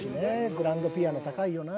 グランドピアノ高いよな。